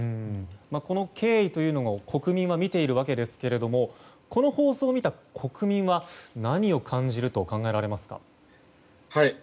この経緯というのも国民は見ているわけですけれどもこの放送を見た国民は何を感じると考えられますか。